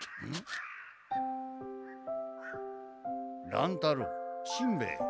乱太郎しんべヱ。